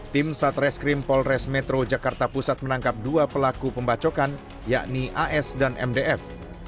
tim satreskrim polres metro jakarta pusat menangkap dua pelaku pembacokan yakni as dan mdf